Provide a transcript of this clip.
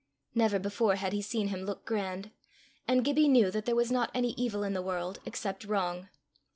Never before had he seen him look grand; and Gibbie knew that there was not any evil in the world, except wrong.